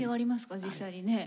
実際にね。